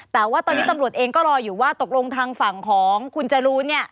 แต่ว่าตอนนี้ตำรวจเองก็รออยู่ว่าตกลงทางฝั่งของคุณจรูน